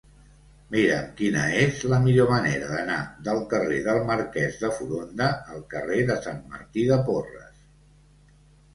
Mira'm quina és la millor manera d'anar del carrer del Marquès de Foronda al carrer de Sant Martí de Porres.